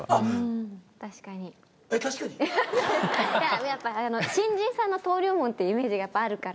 いややっぱり新人さんの登竜門っていうイメージがあるから。